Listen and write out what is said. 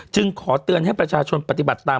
ขอเตือนให้ประชาชนปฏิบัติตาม